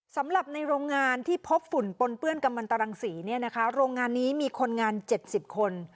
สำหรับในโรงงานที่พบฝุ่นปนเปื้อนกำมันตรังศรีเนี่ยนะคะโรงงานนี้มีคนงาน๗๐คน